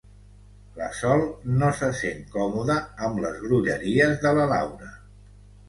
La Sol no se sent còmoda amb les grolleries de la Laura.